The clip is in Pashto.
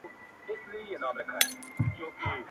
ډوب سم جهاني غوندي له نوم سره!